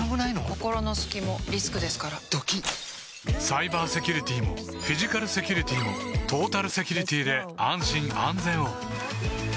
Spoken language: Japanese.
心の隙もリスクですからドキッサイバーセキュリティもフィジカルセキュリティもトータルセキュリティで安心・安全を